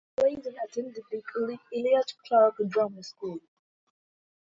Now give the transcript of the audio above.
Sladen attended the Elliott-Clarke Drama School.